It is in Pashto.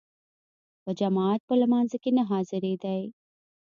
په جماعت په لمانځه کې نه حاضرېدی.